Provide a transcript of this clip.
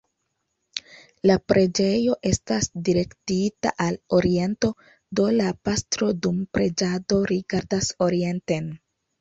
La preĝejo estas direktita al oriento, do la pastro dum preĝado rigardas orienten.